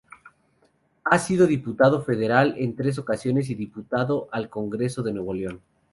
Ha sido diputado federal en tres ocasiones y diputado al Congreso de Nuevo León.